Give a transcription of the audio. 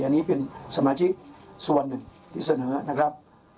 อันนี้เป็นสมาชิกส่วนหนึ่งที่เสนอนะครับ